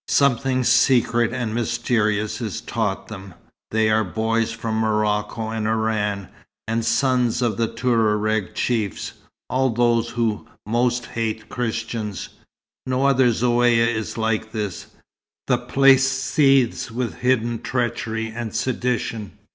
Something secret and mysterious is taught them. There are boys from Morocco and Oran, and sons of Touareg chiefs all those who most hate Christians. No other zaouïa is like this. The place seethes with hidden treachery and sedition.